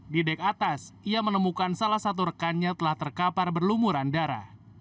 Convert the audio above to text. di dek atas ia menemukan salah satu rekannya telah terkapar berlumuran darah